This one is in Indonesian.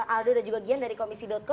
aldo dan juga gian dari komisi co